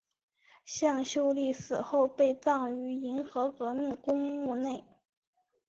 向秀丽死后被葬于银河革命公墓内。